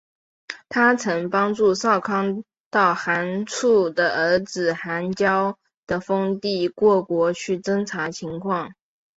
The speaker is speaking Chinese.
她曾帮助少康到寒浞的儿子寒浇的封地过国去侦察情况。